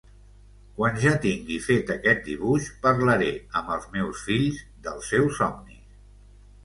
Quan ja tingui fet aquest dibuix, parlaré amb els meus fills dels seus somnis.